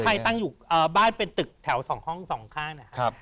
ตั้งอยู่บ้านเป็นตึกแถว๒ห้อง๒ข้างนะครับ